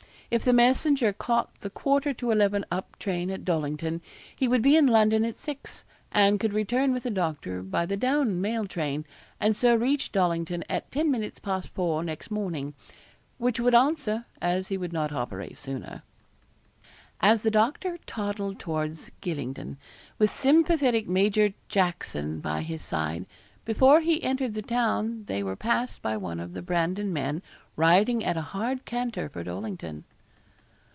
If the messenger caught the quarter to eleven up train at Dollington, he would be in London at six, and could return with the doctor by the down mail train, and so reach Dollington at ten minutes past four next morning, which would answer, as he would not operate sooner. As the doctor toddled towards Gylingden, with sympathetic Major Tackson by his side, before they entered the town they were passed by one of the Brandon men riding at a hard canter for Dollington.